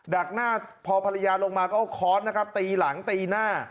ักหน้าพอภรรยาลงมาก็เอาค้อนนะครับตีหลังตีหน้า